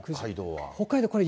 北海道は。